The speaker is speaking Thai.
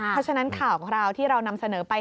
เพราะฉะนั้นข่าวของเราที่เรานำเสนอไป